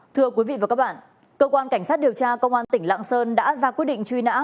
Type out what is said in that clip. thưa quý vị và các bạn cơ quan cảnh sát điều tra công an tỉnh lạng sơn đã ra quyết định truy nã